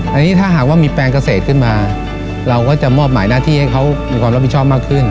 อันนี้ถ้าหากว่ามีแปลงเกษตรขึ้นมาเราก็จะมอบหมายหน้าที่ให้เขามีความรับผิดชอบมากขึ้น